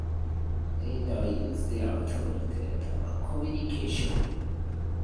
Rabbits use their tails primarily for balance and communication.